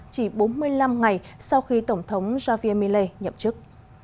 chỉ bốn mươi năm ngày sau khi tổng thống xavier millet nhậm chức